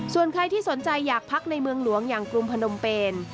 ส่วนใครที่สนใจอยากพักในเมืองหลวงอย่างกรุงพนมเปน